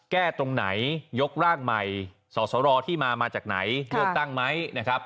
แก้ตรงไหนยกร่างใหม่สอสรที่มามาจากไหนเลือกตั้งไหมนะครับ